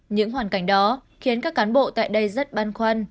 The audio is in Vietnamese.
những hoàn cảnh đó khiến các cán bộ tại đây rất băn khoăn